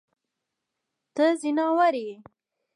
ته ځناور يې.